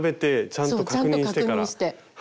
ちゃんと確認して。